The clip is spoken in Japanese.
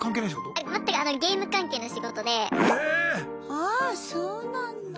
ああそうなんだ。